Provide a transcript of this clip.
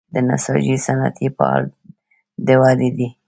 د نساجي صنعت په حال د ودې دی